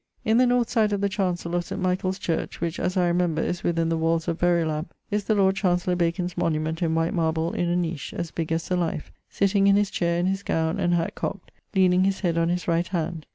In the north side of the chancell of St. Michael's church (which, as I remember, is within the walles of Verulam) is the Lord Chancellor Bacon's monument in white marble in a niech, as big as the life, sitting in his chaire in his gowne and hatt cock't, leaning his head on his right hand.